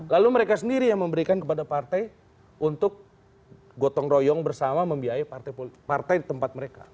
lalu mereka sendiri yang memberikan kepada partai untuk gotong royong bersama membiayai partai di tempat mereka